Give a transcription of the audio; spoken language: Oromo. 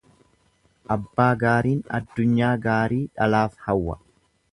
Abbaa gaariin addunyaa gaarii dhalaaf hawwa.